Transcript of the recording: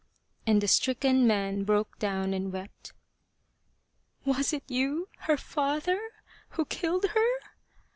and the stricken man broke down and wept. " Was it you, her father, who killed her